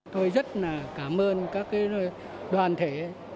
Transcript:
tôi rất là cảm ơn các đoàn thể